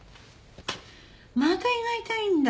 また胃が痛いんだ。